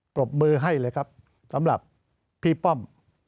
ปรบมือให้เลยครับสำหรับพี่ป้อม